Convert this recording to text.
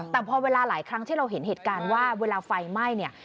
แต่พอเวลาหลายครั้งที่เราเห็นเหตุการณ์ว่าเวลาไฟไหม้เนี่ย